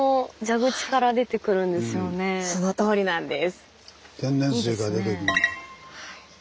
そのとおりなんです。